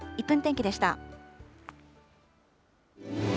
１分天気でした。